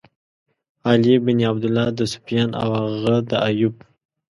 علی بن عبدالله، د سُفیان او هغه د ایوب.